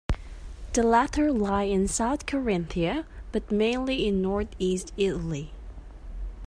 The latter lie in South Carinthia, but mainly in Northeast Italy.